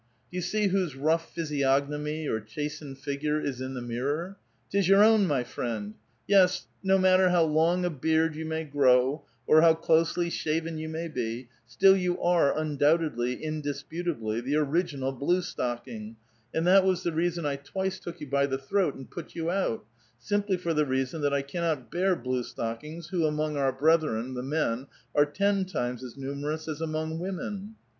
Do you see whose rough physiognomy or chastened figure is in the mirror? 'Tis your own, my friend ! Yes, no matter how long a beard you may grow, or how closely shaven you may be, still you are, un doubtedly, indisputably, the original blue stocking, and that was the reason I twice took you by the throat and put you out — simply for the reason that I cannot bear blue stockings, who among our brethren, the men, are ten times as numerous as among women.